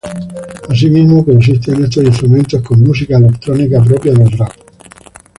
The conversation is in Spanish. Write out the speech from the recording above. Así mismo coexisten estos instrumentos con música electrónica propia del rap.